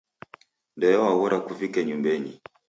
Ndeo waghora kuvike nyumbenyi.